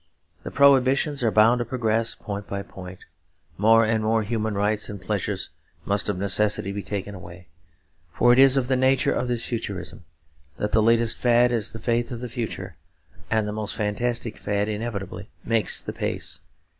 The prohibitions are bound to progress point by point; more and more human rights and pleasures must of necessity be taken away; for it is of the nature of this futurism that the latest fad is the faith of the future, and the most fantastic fad inevitably makes the pace.